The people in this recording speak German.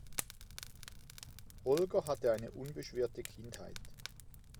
Holger hatte eine unbeschwerte Kindheit.